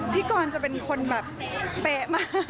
พี่กรจะเป็นคนแบบเป๊ะมาก